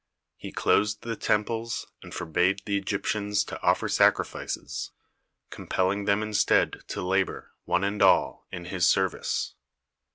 He closed the temples, and forbade the Egyptians to offer sacrifices, compelling them instead to labour, one and all, in his service.